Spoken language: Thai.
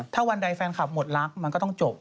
ถ้าวันใดแฟนคลับหมดรักมันก็ต้องจบ